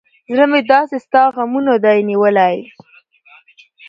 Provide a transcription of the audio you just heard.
زړه مې داسې ستا غمونه دى نيولى.